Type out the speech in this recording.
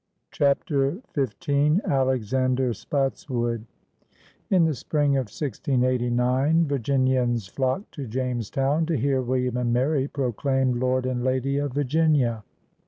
CHAPTER XV ALEXANDEB SPOTSWOOD In the spring of 1689, Virginians flocked to James town to hear William and Mary proclaimed Lord and Lady of Virginia.